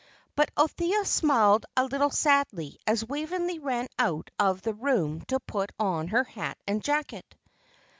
But Althea smiled a little sadly as Waveney ran out of the room to put on her hat and jacket.